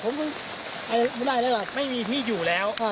ไม่มีที่นี่อยู่แล้ว